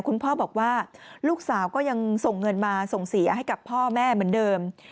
คุณพ่อบอกว่าลูกสาวก็ยังส่งเงินมาส่งเสียให้กับพ่อแม่เหมือนเดิม